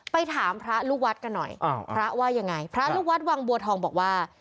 ไปถามพระลูกวัดกันหน่อยพระว่ายังไงพระลูกวัดวังบัวทองบอกว่า